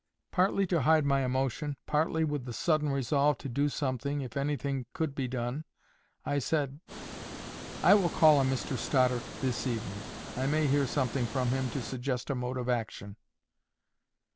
Partly to hide my emotion, partly with the sudden resolve to do something, if anything could be done, I said:— "I will call on Mr Stoddart this evening. I may hear something from him to suggest a mode of action."